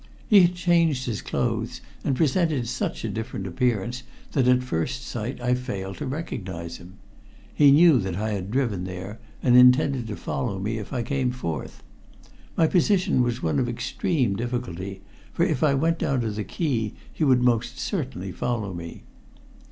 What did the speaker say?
He had changed his clothes, and presented such a different appearance that at first sight I failed to recognize him. He knew that I had driven there, and intended to follow me if I came forth. My position was one of extreme difficulty, for if I went down to the quay he would most certainly follow me.